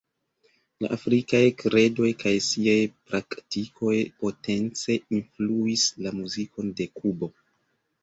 La afrikaj kredoj kaj siaj praktikoj potence influis la muzikon de Kubo.